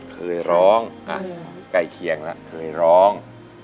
เคยร้องใกล้เคียงแล้วเคยร้อง